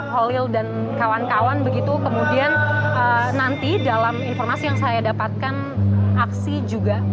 holil dan kawan kawan begitu kemudian nanti dalam informasi yang saya dapatkan aksi juga